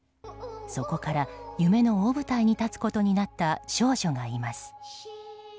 そこから夢の大舞台に立つことになった少女がいます。